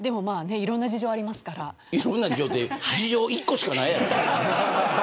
いろんな事情って事情１個しかないやろ。